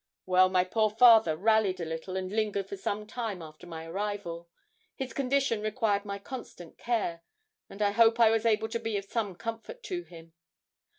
Well, my poor father rallied a little and lingered for some time after my arrival. His condition required my constant care, and I hope I was able to be of some comfort to him.